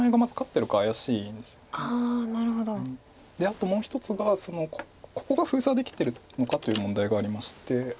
あともう一つがここが封鎖できてるのかという問題がありまして。